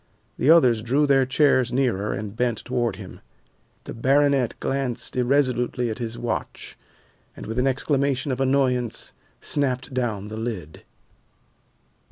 The others drew their chairs nearer and bent toward him. The baronet glanced irresolutely at his watch, and with an exclamation of annoyance snapped down the lid.